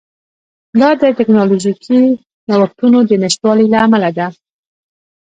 دا د ټکنالوژیکي نوښتونو د نشتوالي له امله ده